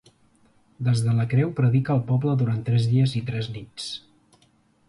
Des de la creu predica al poble durant tres dies i tres nits.